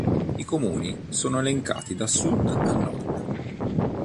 I comuni sono elencati da sud a nord.